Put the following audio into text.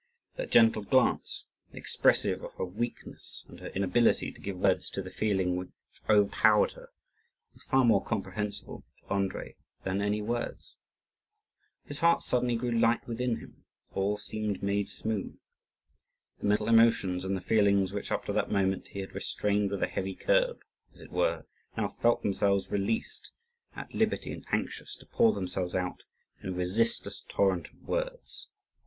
That gentle glance, expressive of her weakness and her inability to give words to the feeling which overpowered her, was far more comprehensible to Andrii than any words. His heart suddenly grew light within him, all seemed made smooth. The mental emotions and the feelings which up to that moment he had restrained with a heavy curb, as it were, now felt themselves released, at liberty, and anxious to pour themselves out in a resistless torrent of words.